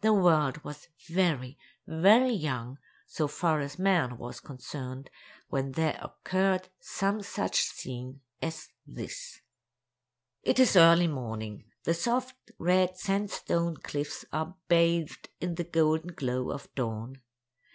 The world was very, very young, so far as man was concerned, when there occurred some such scene as this: It is early morning. The soft, red sandstone cliffs are bathed in the golden glow of dawn.